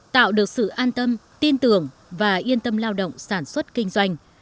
tạo được sự an tâm tin tưởng và yên tâm lao động sản xuất kinh doanh